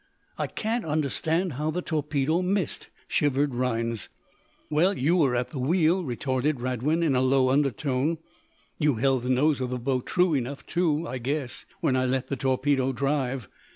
'" "I can't understand how the torpedo missed," shivered Rhinds. "Well, you were at the wheel," retorted Radwin in a low undertone. "You held the nose of the boat true enough, too, I guess, when I let the torpedo drive.